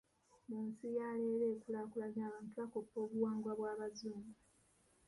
Mu nsi ya leero ekulaakulanye, abantu bakoppa obuwangwa bw'abazungu.